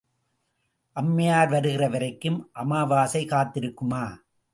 அம்மையார் வருகிற வரைக்கும் அமாவாசை காத்திருக்குமா?